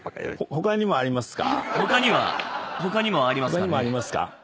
他にもありますか？